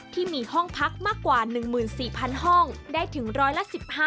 ที่มีห้องพักมากกว่า๑๔๐๐ห้องได้ถึงร้อยละ๑๕